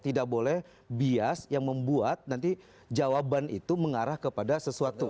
tidak boleh bias yang membuat nanti jawaban itu mengarah kepada sesuatu